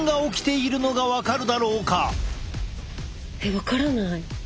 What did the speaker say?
分からない。